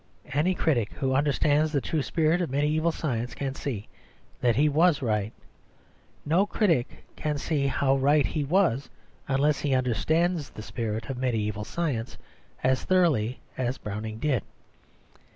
Any critic who understands the true spirit of mediæval science can see that he was right; no critic can see how right he was unless he understands the spirit of mediæval science as thoroughly as he did.